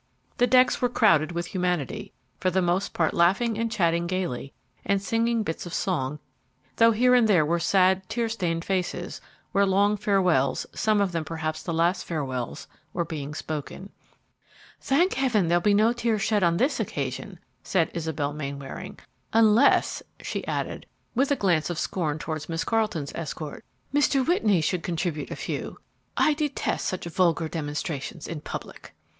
The decks were crowded with humanity, for the most part laughing and chatting gayly and singing bits of song, though here and there were sad, tear stained faces, where long farewells, some of them perhaps the last farewells, were being spoken. "Thank heaven, there'll be no tears shed on this occasion!" said Isabel Mainwaring; "unless," she added, with a glance of scorn towards Miss Carleton's escort, "Mr. Whitney should contribute a few. I detest such vulgar demonstrations in public!"